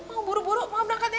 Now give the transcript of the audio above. mau buruk buruk mau berangkat ya